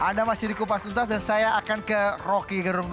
anda masih di kupas tuntas dan saya akan ke rocky gerung